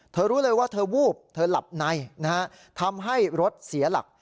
รู้เลยว่าเธอวูบเธอหลับในนะฮะทำให้รถเสียหลัก